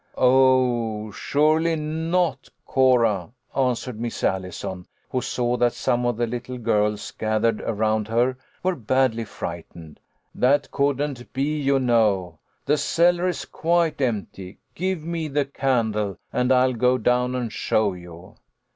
"Oh, surely not, Cora," answered Miss Allison, who saw that some of the little girls gathered around her were badly frightened. "That couldn't be, you know. The cellar is quite empty. Give me the candle, and I'll go down and show you."